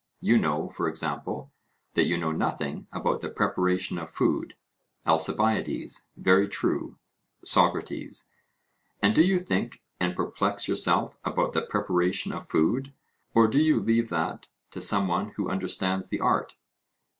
You know, for example, that you know nothing about the preparation of food. ALCIBIADES: Very true. SOCRATES: And do you think and perplex yourself about the preparation of food: or do you leave that to some one who understands the art?